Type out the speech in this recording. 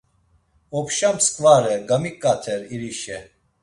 Opşa msǩvare gamiǩater irişe.